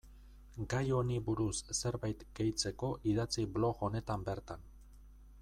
Gai honi buruz zerbait gehitzeko idatzi blog honetan bertan.